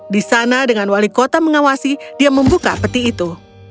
di sana dengan wali kota mengawasi dia membuka peti itu